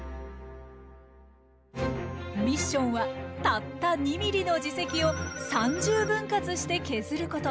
ミッションはたった２ｍｍの耳石を３０分割して削ること。